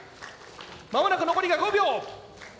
間もなく残りが５秒。